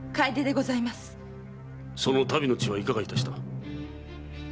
その足袋の血はいかがいたした？